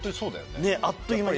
ねっあっという間に。